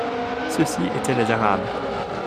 Ceux-ci étaient les Arabes.